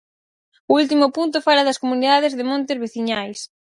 O último punto fala das comunidades de montes veciñais.